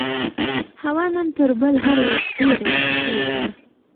هوا نن تر بل هر وخت ډېره یخه شوې ده.